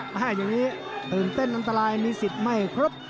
อันตรายนี่มันติดแล้วแบบนี้ตื่นเต้นอันตรายมีสิทธิ์ไม่ครบ